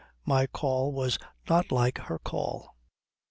My call was not like her call.